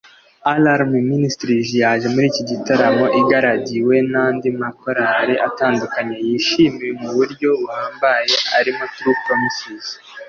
Alarm Ministries yaje muri iki gitaramo igaragiwe n’andi makorali atandukanye yishimiwe mu buryo buhambaye arimo True Promises